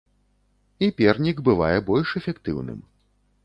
І пернік бывае больш эфектыўным.